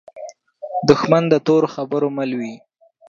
دښمن د تورو خبرو مل وي